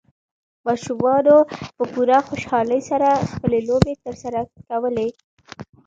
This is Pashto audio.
ماشومانو په پوره خوشالۍ سره خپلې لوبې ترسره کولې.